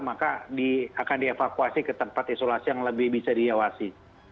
maka akan dievakuasi ke tempat isolasi yang lebih bisa diawasi